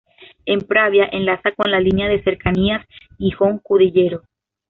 En Pravia, enlaza con la línea de cercanías Gijón-Cudillero.